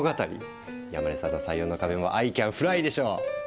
山根さんの採用の壁もアイ・キャン・フライでしょう？